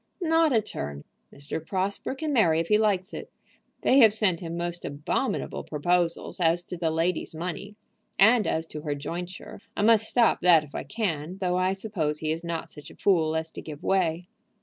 "Not a turn. Mr. Prosper can marry if he likes it. They have sent him most abominable proposals as to the lady's money; and as to her jointure, I must stop that if I can, though I suppose he is not such a fool as to give way."